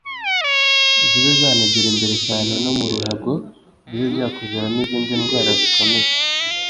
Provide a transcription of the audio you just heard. zibe zanagera imbere cyane no mu ruhago bibe byakuviramo izindi ndwara zikomeye.